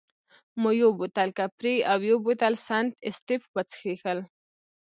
مو یو بوتل کپري او یو بوتل سنت اېسټېف وڅېښل.